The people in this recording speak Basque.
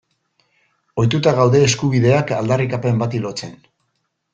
Ohituta gaude eskubideak aldarrikapen bati lotzen.